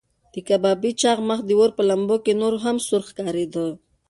د کبابي چاغ مخ د اور په لمبو کې نور هم سور ښکارېده.